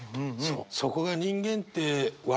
そこが人間って笑